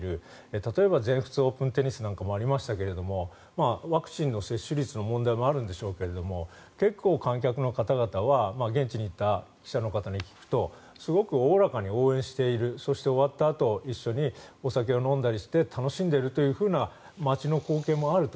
例えば全仏オープンテニスとかもありましたがワクチンの接種率の問題もありますけど結構、観客の方々は現地に行った記者の方に聞くとすごくおおらかに応援しているそして、終わったあと一緒にお酒を飲んだりして楽しんだりしているという街の光景もあると。